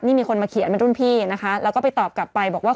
นี่มีคนมาเขียนเป็นรุ่นพี่นะคะแล้วก็ไปตอบกลับไปบอกว่า